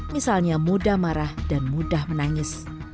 misalnya mudah marah dan mudah menangis